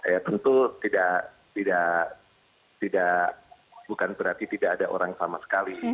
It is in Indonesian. ya tentu tidak bukan berarti tidak ada orang sama sekali